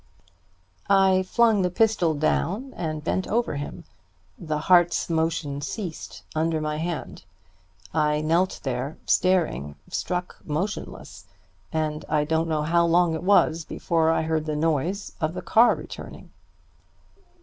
"I flung the pistol down, and bent over him. The heart's motion ceased under my hand. I knelt there staring, struck motionless; and I don't know how long it was before I heard the noise of the car returning.